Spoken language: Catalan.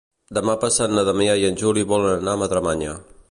Demà passat na Damià i en Juli volen anar a Madremanya.